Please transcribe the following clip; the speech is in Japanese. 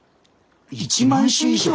１万種以上！？